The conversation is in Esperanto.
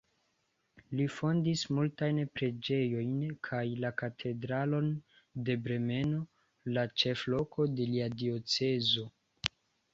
Li fondis multajn preĝejojn kaj la katedralon de Bremeno, la ĉefloko de lia diocezo.